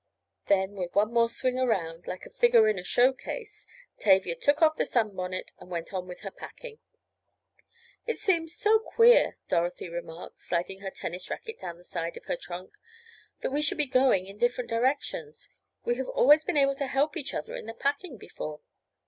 Then, with one more swing around, like a figure in a show case, Tavia took off the sunbonnet and went on with her packing. "It seems so queer," Dorothy remarked, sliding her tennis racquet down the side of her trunk, "that we should be going in different directions. We have always been able to help each other in the packing before."